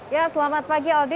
ya selamat pagi aldi